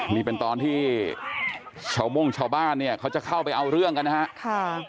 นี่เป็นตอนที่ชาวโม่งชาวบ้านเนี่ยเขาจะเข้าไปเอาเรื่องกันนะครับ